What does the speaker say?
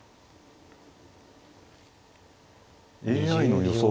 ＡＩの予想